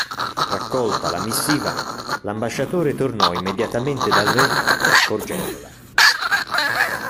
Raccolta la missiva, l'ambasciatore tornò immediatamente dal Re, porgendola.